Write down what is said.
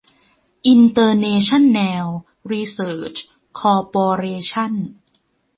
อินเตอร์เนชั่นแนล รีเสริช คอร์ปอเรชั่น